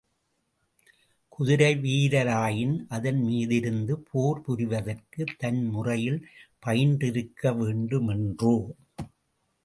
குதிரை வீரராயின் அதன் மீது இருந்து போர் புரிவதற்கு தன் முறையில், பயின்றிருக்கவேண்டுமன்றோ?